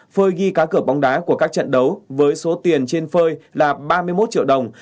phơi ghi cá cửa bóng đá của các trận đấu với số tiền trên phơi là ba mươi một triệu đồng